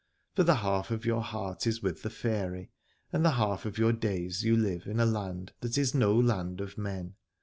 For the half of your heart is with the faery, and the half of your days you live in a land that is no land of men.